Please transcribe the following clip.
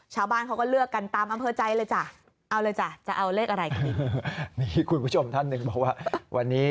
ชาวบ้านเขาก็เลือกกันตามอัมเภอใจเลยจ้ะเอาเลยจ้ะ